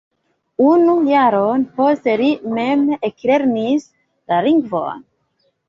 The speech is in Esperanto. Unu jaron poste li mem eklernis la lingvon.